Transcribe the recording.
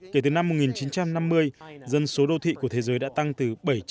kể từ năm một nghìn chín trăm năm mươi dân số đô thị của thế giới đã tăng từ bảy trăm linh